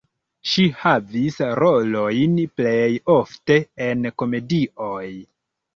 Ŝi havis rolojn plej ofte en komedioj.